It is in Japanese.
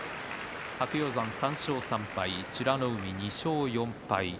白鷹山は３勝３敗美ノ海は２勝４敗。